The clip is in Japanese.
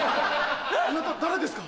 あなた誰ですか？